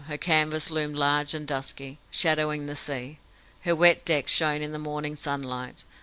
Her canvas loomed large and dusky, shadowing the sea. Her wet decks shone in the morning sunlight.